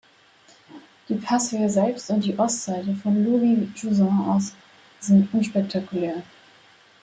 Die Passhöhe selbst und die Ostseite von Louvie-Juzon aus sind unspektakulär.